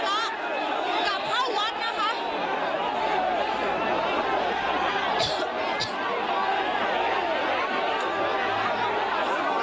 ตอนนี้เกิดเหตุการณ์ไว้อีกแล้วนะคะ